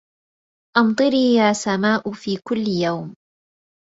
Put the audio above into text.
أمطري يا سماء في كل يوم